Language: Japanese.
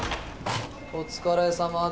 お疲れさまです。